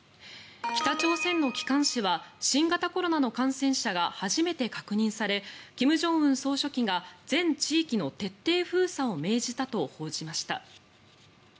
北朝鮮の機関紙は新型コロナの感染者が初めて確認され金正恩総書記が全地域の徹底封鎖を命じたと報じました。